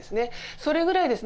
それぐらいですね